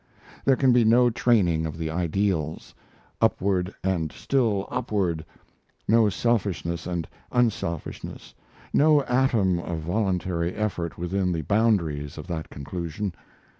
There can be no training of the ideals, "upward and still upward," no selfishness and unselfishness, no atom of voluntary effort within the boundaries of that conclusion.